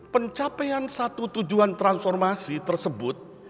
pencapaian satu tujuan transformasi tersebut